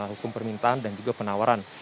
hukum permintaan dan juga penawaran